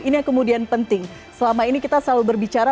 ini yang kemudian penting selama ini kita selalu berbicara